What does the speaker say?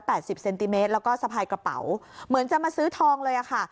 สิบเซนติเมตรแล้วก็สะพายกระเป๋าเหมือนจะมาซื้อทองเลยอ่ะค่ะ